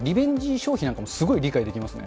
消費なんかもすごい理解できますね。